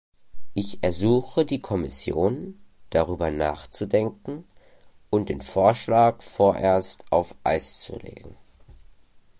Ich ersuche die Kommission, darüber nachzudenken und den Vorschlag vorerst auf Eis zu legen.